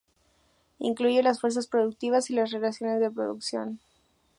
Incluye las fuerzas productivas y las relaciones de producción.